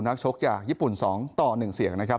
ชกจากญี่ปุ่น๒ต่อ๑เสียงนะครับ